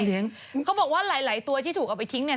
เขาบอกว่าหลายหลายตัวที่ถูกเอาไปทิ้งเนี่ย